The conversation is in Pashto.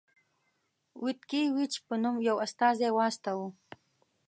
ویتکي ویچ په نوم یو استازی واستاوه.